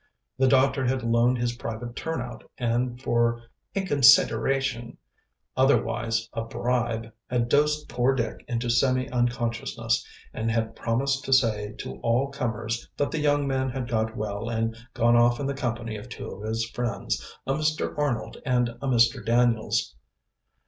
The doctor had loaned his private turnout, and for a "consideration," otherwise a bribe, had dosed poor Dick into semi unconsciousness, and had promised to say to all comers that the young man had got well and gone off in the company of two of his friends, a Mr. Arnold and a Mr. Daniels.